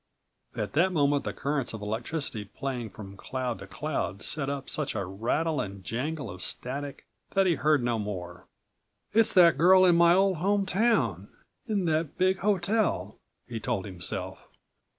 At that moment the currents of electricity playing from cloud to cloud set up such a rattle and jangle of static that he heard no more. "It's that girl in my old home town, in that big hotel," he told himself.